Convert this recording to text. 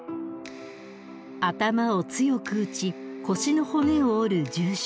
頭を強く打ち腰の骨を折る重傷。